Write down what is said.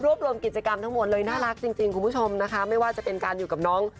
รวมรวมกิจกรรมทั้งหมดเลยน่ารักจริงคุณผู้ชมนะคะไม่ว่าจะเป็นการอยู่กับน้อง